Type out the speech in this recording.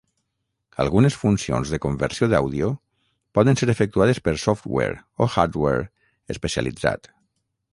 Algunes funcions de conversió d'àudio poden ser efectuades per software o hardware especialitzat.